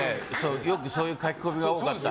よくそういう書き込みが多かった。